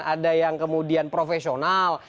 ada yang kemudian profesional